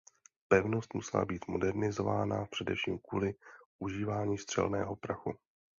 Pevnost musela být modernizována především kvůli užívání střelného prachu.